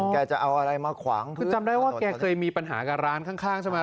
คุณจำได้ว่าแกเคยมีปัญหากับร้านข้างใช่ไหม